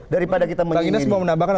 daripada kita mengingat